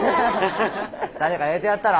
誰か入れてやったら？